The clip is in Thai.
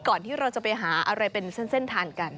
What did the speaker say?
ที่เราจะไปหาอะไรเป็นเส้นทานกัน